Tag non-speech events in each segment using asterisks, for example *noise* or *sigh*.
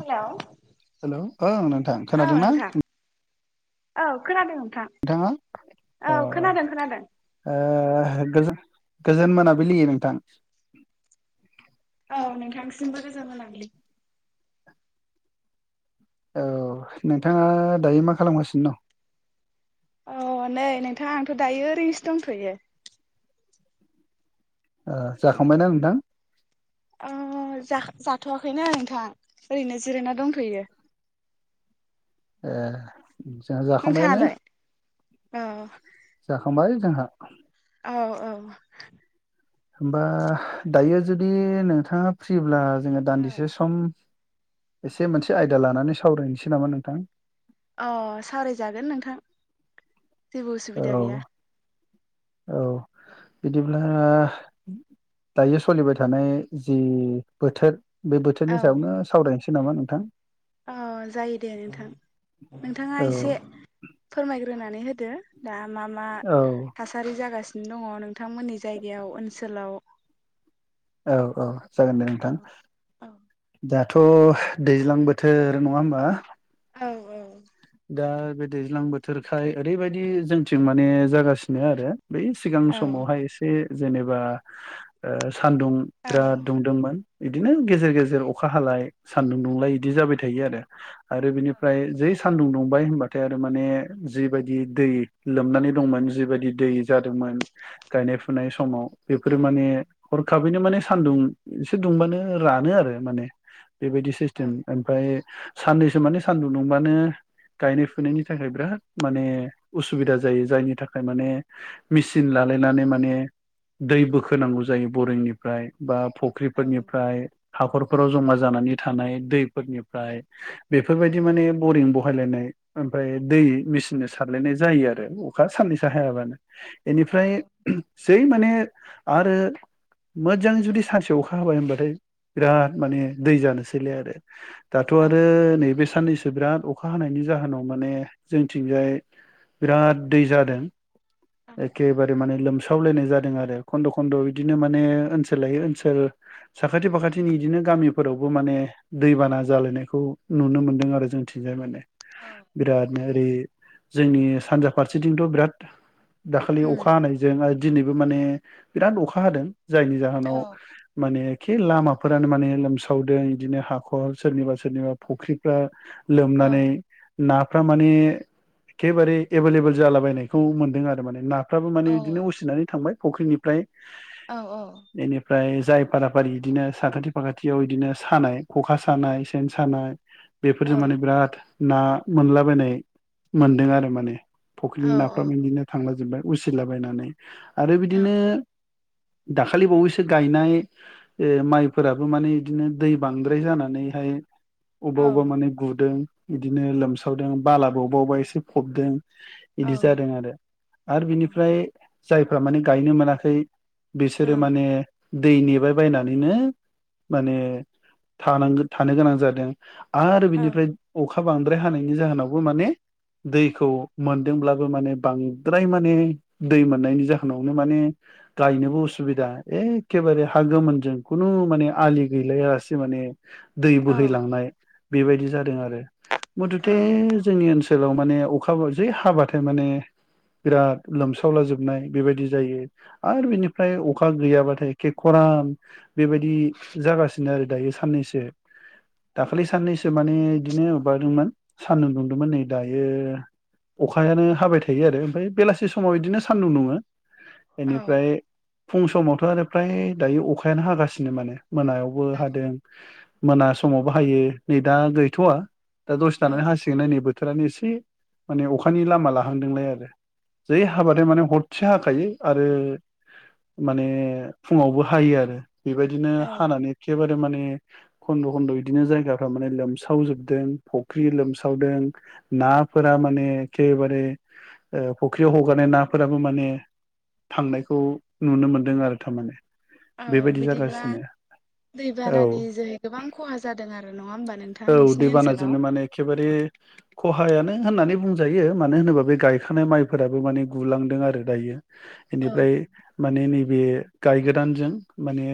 हेल' हेल' ओं नोंथां खोनादों ना औ खोनादों नोंथां नोंथाङा अ औ खोनादों खोनादों ओ गो गोजोन मोनाबिलि नोंथां औ नोंथांसिमबो गोजोन मोनाबिलि औ नोंथाङा दायो मा खालामगासिनो दं अ नै नोंथां आंथ' दायो ओरैनोसो दंथ'यो जाखांबायना नोंथां जाथ'वाखैनो नोंथां ओरैनो जिरायना दंथ'यो ए जोंहा जाखांबायानो नोंथाङालाय औ जाखांबाय जोंहा औ औ होमबा दायो जुदि नोंथाङा फ्रिब्ला जोङो औ दान्दिसे सम एसे मोनसे आयदा लानानै सावरायनोसै नामा नोंथां अ सावरायजागोन नोंथां जेबो उसुबिदा औ गैया औ बिदिब्ला दायो सोलिबाय थानाय जि बोथोर बे बोथोरनि सायावनो सावरायनोसै नामा नोंथां औ जायो दे नोंथां नोंथाङा औ एसे फोरमायग्रोनानै होदो दा मा मा औ थासारि जागासिनो दङ नोंथांमोननि जायगायाव ओनसोलाव औ औ जागोन दे औ नोंथां औ दाथ' दैज्लां बोथोर नङा होमबा औ औ दा बे दैज्लां बोथोरखाय ओरैबायदि जोंथिं माने जागासिनो आरो बै सिगां औ समावहाय एसे जेनेबा सानदुं औ बिराद दुंदोंमोन बिदिनो गेजेर गेजेर अखा हालाय सानदुं दुंलाय बिदि जाबाय थायो आरो आरो बिनिफ्राय जे सानदुं दुंबाय होनबाथाय आरो माने जिबायदि दै लोमनानै दंमोन जिबायदि दै जादोंमोन गायनाय फुनाय समाव औ बेफोरो माने हरखाबैनो माने सान्दुं एसे दुंबानो रानो आरो माने बेबायदि सिस्टेम ओमफ्राय साननैसो माने सानदुं दुंबानो गायनाय फुनायनि थाखाय बिराद माने उसुबिदा जायो जायनि थाखाय माने मेचिन लालायनानै माने दै बोखोनांगौ जायो बरिंनिफ्राय बा औ फख्रिफोरनिफ्राय हाखरफोराव जमा जानानै थानाय दैफोरनिफ्राय औ बेफोरबायदि माने बरिं बहायलायनाय ओमफ्राय दै मेचिनजों सारलायनाय जायो आरो अखा साननैसो हायाबानो औ बेनिफ्राय जै माने आरो मोजां जुदि सानसेयाव अखा हाबाय होनोमबाथाय बिराद माने दै जानोसैलै आरो दाथ' औ आरो नैबे साननैसो बिराद अखा हानायनि जाहोनाव माने जोंथिंजाय बिराद दै जादों एखेबारे माने लोमसाव -लायनाय जादों आरो खन्द' खन्द' बिदिनो माने ओनसोल लाय ओनसोल साखाथि फाखाथिनि बिदिनो गामिफोरावबो माने दैबाना जालायनायखौ नुनो मोनदों आरो जों जाय मे बिरादनो ओरै जोंनि सानजा फारसेथिंथ' बिराद दाखालि अखा हानायजों आरो दिनैबो माने बिराद अखा हादों जायनि औ जाहोनाव माने एखे लामाफोरानो माने लोमसावदों बिदिनो हाखर सोरनिबा सोरनिबा फुख्रिफ्रा लोमनानै नाफ माने एखेबारे एभेलेबल जालाबायनायखौ मोनदों आरो माने ना फ्राबो माने बिदिनो उसिनानै थांबाय फुख्रिनिफ्राय औ औ बेनिफ्राय जाय फाराफारि बिदिनो साखाथि फाखाथियाव बिदिनो सानाय ख'खा सानाय सेन सानाय बेफोरजों माने बिराद ना मोनलाबायनाय मोनदों आरो माने फुख्रिनि नाफ्राबो बिदिनो थांला जोबबाय उसिलाबायनानै आरो बिदिनो दाखालि बावैसो गायनाय ओ माइफोराबो माने बिदिनो दै बांद्राय जानानैहाय अबेबा अबेबा माने गुदों बिदिनो लोमसावदों बालाबो अबेबा अबेबा एसे फबदों बिदि जादों औ आरो आरो बिनिफ्राय जायफ्रा माने गायनो मोनाखै बिसोरो औ माने दै नेबाय बायनानैनो माने थानांगौ थानो गोनां जादों। आरो बिनिफ्राय अखा बांद्राय हानायनि जाहोनावबो माने दैखौ मोनदोंब्लाबो माने बांद्राय माने दै मोननायनि जाहोनावनो माने गायनोबो उसुबिदा एखेबारे हा गोमोनजों खुनु माने आलि गैलायासै माने दै बोहैलांनाय बेबायदि जादों आरो मथथे जोंनि ओनसोल ओनसोलाव‌ माने अखा जे हाबाथाय माने बिराद लोमसावला जोबनाय बेबायदि जायो आरो बिनिफ्राय अखा गैयाबाथाय एखे खरान बेबायदि जागासिनो आरो दायो साननैसो दाखालि साननैसो माने बिदिनो माबादोंमोन सान्दुं दुंदोंमोन नै दायो अखायानो हाबाय थायो आरो ओमफ्राय बेलासि समाव बिदिनो सान्दुं दङो बेनिफ्राय फुं समावथ' आरो फ्राय दायो अखायानो हागासिनो माने मोनायावबो हादों मोना समावबो हायो नै दा गैथ'वा दा दसे थानानै हासिगोन नै बोथोरानो एसे माने अखानि लामा लाहांदोंलाय आरो जै हाबाथाय माने ह हरसे हाखायो आरो माने फुङावबो हायो आरो बेबायदिनो हानानै एखेबारे माने खन्द' खन्द' बिदिनो जायगाफ्रा माने लोम लोमसावजोबदों फुख्रि लोमसावदों नाफोरा माने एखेबारे ओ फुख्रियाव हगारनाय नाफोराबो माने थांनायखौ नुनो मोन्दों आरो थारमाने औ बेबायदि बिदिब्ला जागासिनो औ दैबानानि जोहै गोबां खहा जादों आरो नङा होमबा नोंथां औ नोंसिनि ओनसोलाव दैबानाजोंनो माने एखेबारे खहायानो होननानै बुं जायो मानो होनोबा बे गायखानाय माइफोराबो माने गुलांदों आरो दायो औ बेनिफ्राय माने नैबे गायगदानजों माने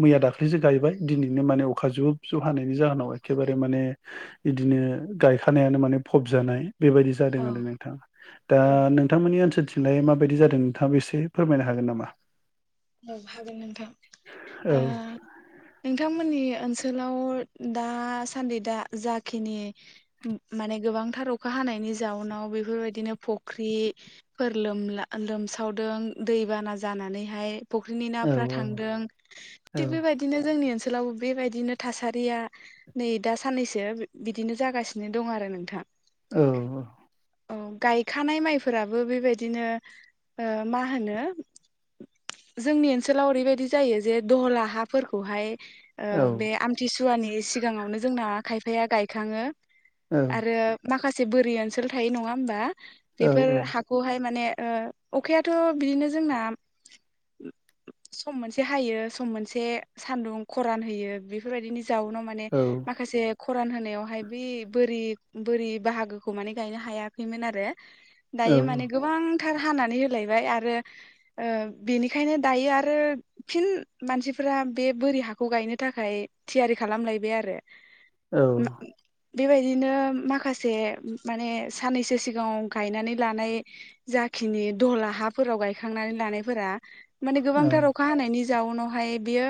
मैया दाख्लैसो गायबाय दिनैनो माने अखा जुब जुब हानायनि जाहोनाव एखेबारे माने बिदिनो गायखानायानो माने फबजानाय बेबायदि जादों औ आरो नोंथा औ दा नोंथांमोननि ओसोलथिंलाय माबायदि जादों नोंथाङाबा एसे फोरमायनो हागोन नामा औ हागोन नोंथां औ ओ नोंथांमोननि ओनसोलाव दासान्दि दा जाखिनि माने गोबांथार अखा हानायनि जाउनाव बेफोरबायदिनो फुख्रि फोर लोमला लोमसावदों दैबाना जानानैहाय। फुख्रिनि औ नाफोरा थांदों औ थिख बेबायदि नो जोंनि ओनसोलावबो बेबायदिनो थासारिया नै दा साननैसो बि-बिदिनो जागासिनो दं आरो नोंथां। औ। औ गायखानाय माइफोराबो बेबायदिनो ओ मा होनो जोंनि ओनसोलाव ओरैबायदि जायो जे दहला हाफोरखौहाय औ बे आमथिसुवानि सिगाङावनो जोंना खायफाया गायखाङो औ आरो माखासे बोरि ओनसोल थायो नङा होमबा औ बेफोर हा खौहाय ओ माने अखायाथ' बिदिनो जोंना *inaudible* सम मोनसे हायो सम मोनसे सानदुं खरान होयो बेफोर बायदिनो जाउनाव माने माखासे खरान होनायावहाय बे बोरि बोरि बाहागोखौ माने गायनो हायाखैमोन आरो। औ दायो माने गोबांथार हानानै होलायबाय आरो ओ बेनिखायनो दायो आरो फिन मानसिफोरा बे बोरि हाखौ गायनो थाखाय थियारि खालामलायबाय आरो। औ माने बेबायदिनो माखासे माने साननैसो सिगाङाव गायनानै लानाय जाखिनि दहला हाफोराव गायखांनानै लानायफोरा माने औ गोबांथार अखा अखा हानायनि जाउनावहाय बियो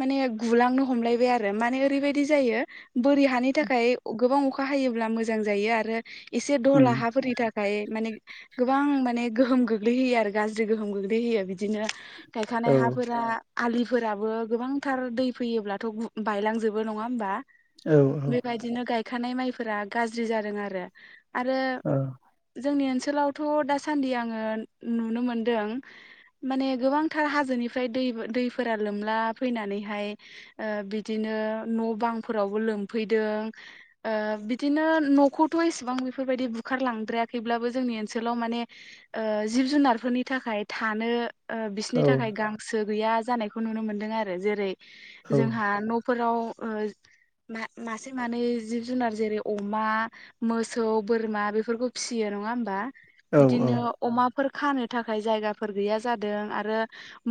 माने गुलांनो हमलायबाय आरो माने ओरैबायदि जायो बोरि हानि थाखाय गोबां अखा हायोब्ला मोजां जायो आरो एसे उम दहला हाफोरनि थाखाय ओमफ्राय माने गोबां माने गोहोम गोग्लैहोयो आरो गाज्रि गोहोम गोग्लैहोयो बिदिनो गायखानाय औ हाफोरा आलिफोराबो गोबांथार दै फैयोब्लाथ' गु-बायलांजोबो नङा होमबा। औ बेबायदिनो गायखानाय माइफोरा गाज्रि जादों आरो आरो औ जोंनि ओनसोलावथ' दासान्दि आङो नुनो मोनदों माने गोबांथार हाजोनिफ्राय दै दैफोरा लोमला फैनानैहाय ओ बिदिनो न'-बांफोरावबो लोमफैदों। ओ बिदिनो न'खौथ' एसेबां बेफोर बायदि बुखारलांद्रायाखैब्लाबो जोंनि ओनसोलाव माने ओ जिब-जुनारफोरनि थाखाय थानो ओ बिसनि थाखाय गांसो गैया जानायखौ नुनो मोनदों आरो जेरै जोंहा न' फोराव ओ मासे मानै जिब जुनार जेरै अमा मोसौ बोरमा बेफोरखौ फिसियो नङा होमबा। औ औ बिदिनो अमाफोर खानो थाखाय जायगाफोर गैया जा जादों आरो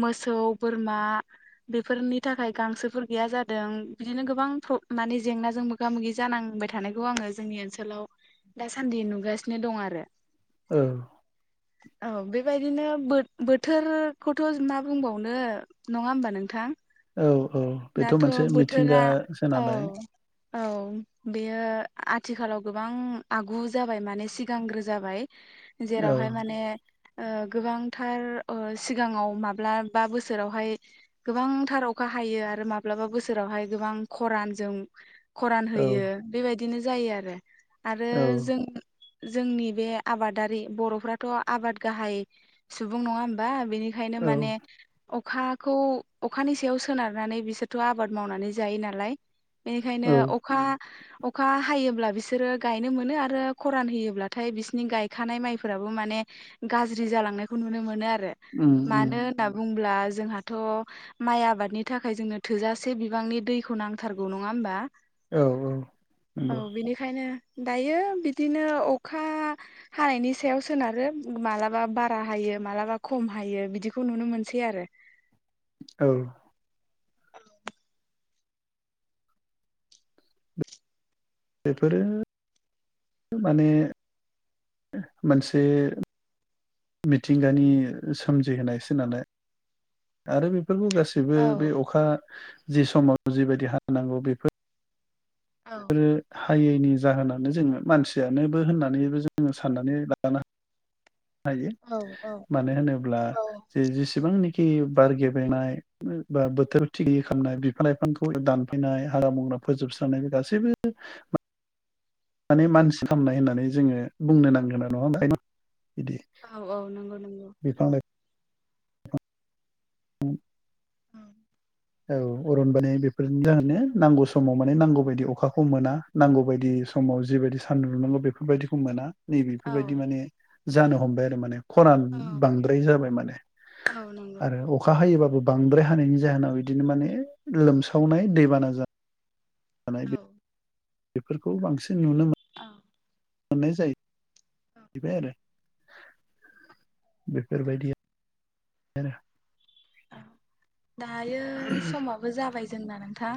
मोसौ, बोरमा बेफोरनि थाखाय गांसोफोर गैया जादों बिदिनो गोबां प्र माने जेंनाजों मोगा-मोगि जानांबाय थानायखौ आङो जोंनि ओनसोलाव दासान्दि नुगासिनो दं आरो। ओ औ बेबायदिनो बोरि बोथोरखौथ' मा बुंबावनो नङा होमबा नोंथां। औ औ बेथ' दाथ' मोनसे बोथोरा मिथिंगासो औ। नालाय औ बेयो आथिखालाव गोबां आगु जाबाय माने सिगांग्रो जाबाय। औ जेरावहाय माने ओ गोबां थार ओ सिगाङाव माब्लाबा बोसोरावहाय गोबांथार अखा हायो आरो माब्लाबा बोसोरावहाय गोबां खरानजों खरान औ होयो बेबायदिनो जायो आरो आरो औ जों जोंनि बे आबादारि बर'फ्राथ' आबाद गाहाय सुबुं नङा होमबा बेनि खायनो औ माने अखाखौ अखानि सायाव सोनारनानै बिसोरथ' आबाद मावनानै जायो नालाय। बेनिखायनो औ अखा अखा हायोब्ला बिसोरो गायनो मोनो आरो खरान होयोब्लाथाय बिसोरनि गायखानाय माइफोराबो माने गाज्रि जालांनायखौ नुनो मोनो आरो उम उम मानो होनना बुंङोला जोंहाथ' माइ आबादनि थाखाय जोंनो थोजासे बिबांनि दैखौ नांथारगौ नङा होमबा औ औ औ नंगौ बिनिखायनो दायो बिदिनो अखा हानायनि सायाव सोनारो मालाबा बार रा हायो मालाबा खम हायो बिदिखौ नुनो मोनसै आरो औ औ बेफोरो माने मोनसे मिथिंगानि सोमजिहोनायसो नोनानै आरो बेफोरखौ गासै बो औ बे अखा जि समाव जिबायदि हानांगौ बेफोर औ नो हायैनि जाहोनानो जोङो मानसियानोबो होननानैबो जोङो साननानै लानो हायो औ औ मानो होनोब्ला औ जे जेसेबांनि बार गेबेनाय बा बोथोर थिगि खालामनाय बिफां लाइफांखौ दानफैनाय हाग्रा बंग्रा फोजोबस्रांनाय बे गासैबो माने मानसि खालामामनाय होननानै जोङो बुंनो नांगोनना नङा फ्राय *unintelligible* बिदि औ औ नंगौ नंगौ बिफां लाइ उम औ अरनबारिनि बेफोरनि जाहोनो नांगौ समाव माने नांगौ बायदि अखाखौ मोना नांगौ बायदि समाव जिबायदि सान्दुं लुनांगौ बेफोरबायदिखौ मोना औ नैबेफोरबायदि माने जानो हमबाय आरो माने खरान औ बांद्राय जाबाय माने औ नंगौ आरो अखा हायोबाबो बांद्राय हानायनि जाहोनाव बिदिनो माने लोमसावनाय दैबाना जानाय *inaudible* बेफोरखौ बांसिन नुनो मोन औ मोननाय जायो बिबाय आरो बेफोर बादि नो आरो *unintelligible* औ दायो समाबो जाबाय जोंना नोंथां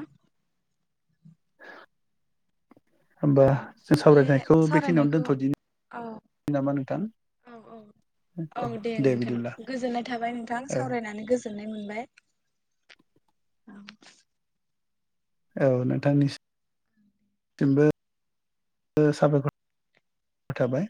होमबा औ जों बे सावरायनायखौ बेखिनियावनो सावरायनायखौ दोनथ'दिनि औ नामा नोंथां? औ औ औ दे नोंथां गोजोननाय थाबाय नोंथां औ सावरायनानै गोजोन गोजोननाय मोनबाय औ औ नोंथांनिसि सिमबो साबायखर थाबाय